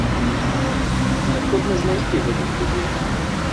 Неабходна знайсці гэтых людзей.